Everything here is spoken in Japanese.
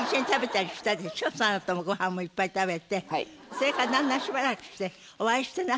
それからだんだんしばらくしてお会いしてなくて。